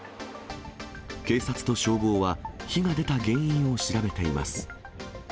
警察と消防は、火が出た原因を調べています。